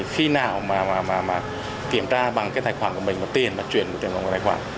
khi nào kiểm tra bằng tài khoản của mình tiền chuyển bằng tài khoản